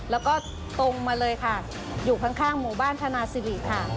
แล้วก็ตรงมาเลยค่ะอยู่ข้างหมู่บ้านธนาสิริค่ะ